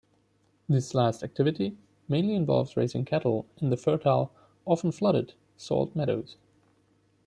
This last activity mainly involves raising cattle in the fertile, often flooded, salt meadows.